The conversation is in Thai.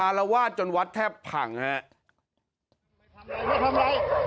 อารวาสจนวัดแทบผังครับ